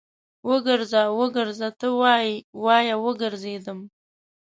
وګرځه، وګرځه ته وايې، وايه وګرځېدم